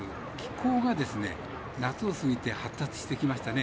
甲が夏を過ぎて発達してきましたね。